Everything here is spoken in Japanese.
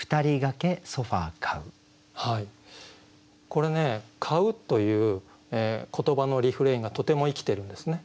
これね「買ふ」という言葉のリフレインがとても生きてるんですね。